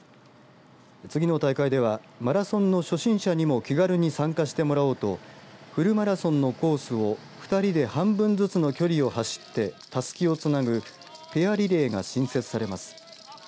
次の大会ではマラソンの初心者にも気軽に参加してもらおうとフルマラソンのコースを２人で半分ずつの距離を走ってたすきをつなぐペアリレーが新設されます。